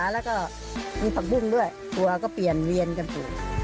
แล้วก็มีผักบุ้งด้วยตัวก็เปลี่ยนเวียนกันอยู่